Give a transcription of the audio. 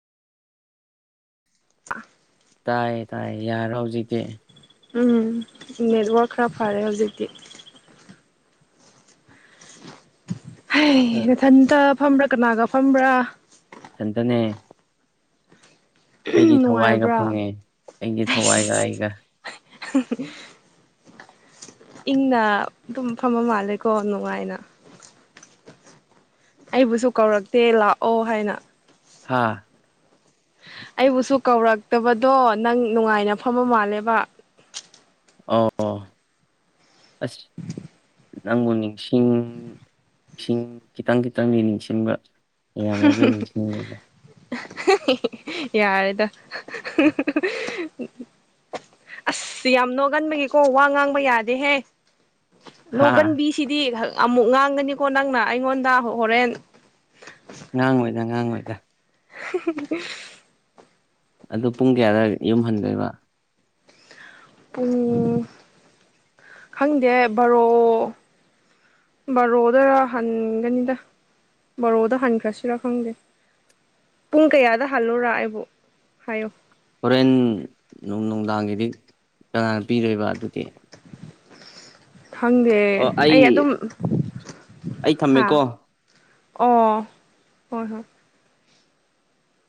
[inaudible] ꯇꯥꯏ ꯇꯥꯏ ꯌꯥꯔꯣ ꯍꯧꯖꯤꯛꯇꯤ ꯎꯝ ꯅꯦꯠꯋꯥꯛ ꯈꯔ ꯐꯔꯦ ꯍꯧꯖꯤꯛꯇꯤ ꯍꯩ ꯅꯊꯟꯇ ꯐꯝꯕ꯭ꯔꯥ ꯀꯅꯥꯒ ꯐꯝꯕ꯭ꯔꯥ ꯏꯊꯟꯇꯅꯦ ꯑꯩꯒꯤ ꯊꯋꯥꯏꯒ ꯅꯨꯡꯉꯥꯏꯕ꯭ꯔꯥ ꯐꯪꯉꯦ ꯑꯩꯒꯤ ꯊꯋꯥꯏꯒ ꯑꯩꯒ [unintelligible] ꯏꯪꯅ ꯑꯗꯨꯝ ꯐꯃ ꯃꯥꯜꯂꯦꯀꯣ ꯅꯨꯡꯉꯥꯏꯅ ꯑꯩꯕꯨꯁꯨ ꯀꯧꯔꯛꯇꯦ ꯂꯥꯛꯑꯣ ꯍꯥꯏꯅ ꯍꯥꯥ ꯑꯩꯕꯨꯁꯨ ꯀꯧꯔꯛꯇꯕꯗꯣ ꯅꯪ ꯅꯨꯡꯉꯥꯏꯅ ꯐꯝꯕ ꯃꯥꯜꯂꯦꯕ ꯑꯣ ꯑꯁ ꯅꯪꯕꯨ ꯅꯤꯡꯁꯤꯡ ꯏꯁꯤꯡ ꯈꯤꯇꯪ ꯈꯤꯇꯪꯗꯤ ꯅꯤꯡꯁꯤꯡꯕ ꯌꯥꯝꯅꯗꯤ [unintelligible] ꯌꯥꯔꯦꯗ ꯑꯁ ꯌꯥꯝ ꯅꯣꯛꯒꯟꯕꯒꯤꯀꯣ ꯋꯥ ꯉꯥꯡꯕ ꯌꯥꯗꯦꯍꯦ ꯍꯥ ꯅꯣꯡꯒꯟꯕꯤꯁꯤꯗꯤ ꯑꯃꯨꯛ ꯉꯥꯡꯒꯅꯤꯀꯣ ꯅꯪꯅ ꯑꯩꯉꯣꯟꯗ ꯍꯣꯔꯦꯟ ꯉꯉꯥꯡꯉꯣꯏꯗ ꯉꯉꯥꯡꯉꯣꯏꯗ [unintelligible] ꯑꯗꯨꯣ ꯄꯨꯡ ꯀꯌꯥꯗꯋꯥꯏ ꯌꯨꯝꯍꯟꯗꯣꯏꯕ ꯎꯝ ꯈꯪꯗꯦ ꯕꯥꯔꯣ ꯫ ꯕꯥꯔꯣꯗꯔ ꯍꯟꯒꯅꯤꯗ ꯫ ꯕꯤꯔꯣꯗ ꯍꯟꯈ꯭ꯔꯁꯤꯔ ꯈꯪꯗꯦ ꯫ ꯄꯨꯡ ꯀꯌꯥꯗ ꯍꯜꯂꯣꯔ ꯑꯩꯕꯨ ꯍꯥꯏꯌꯣ ꯫ ꯍꯣꯔꯦꯟ ꯅꯨꯡ ꯅꯨꯡꯗꯥꯡꯒꯤꯗꯤ ꯀꯅꯥꯅ ꯄꯤꯗꯣꯏꯕ ꯑꯗꯨꯗꯤ ꯫ [inaudible] ꯈꯪꯗꯦ ꯑꯩ ꯑꯗꯨꯝ ꯑꯩ ꯍꯥ ꯊꯝꯃꯦꯀꯣ ꯑꯣ ꯍꯣꯏ ꯍꯣꯏ